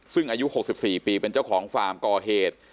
ซึ่งอายุ๖๔ปีเป็นเจ้าของฟาร์มก่อเหตุ